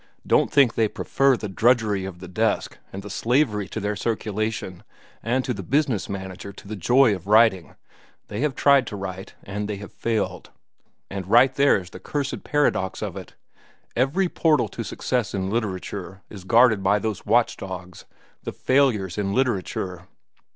Don't think they prefer the drudgery of the desk and the slavery to their circulation and to the business manager to the joy of writing. They have tried to write, and they have failed. And right there is the cursed paradox of it. Every portal to success in literature is guarded by those watch dogs, the failures in literature.